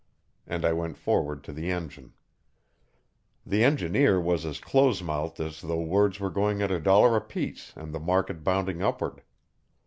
And I went forward to the engine. The engineer was as close mouthed as though words were going at a dollar apiece and the market bounding upward.